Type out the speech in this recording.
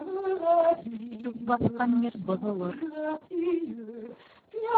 Сүп баҫҡан ер боҙолор